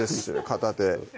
片手